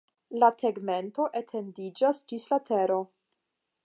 La tegmento etendiĝas ĝis la tero.